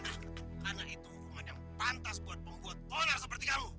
karena itu hukuman yang pantas buat pembuat ponar seperti kamu